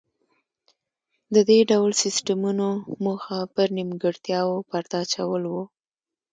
د دې ډول سیستمونو موخه پر نیمګړتیاوو پرده اچول و